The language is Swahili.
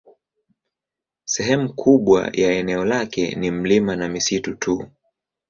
Sehemu kubwa ya eneo lake ni milima na misitu tu.